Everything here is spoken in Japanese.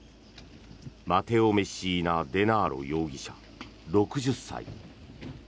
マテオ・メッシーナ・デナーロ容疑者、６０歳。